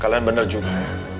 kalian bener juga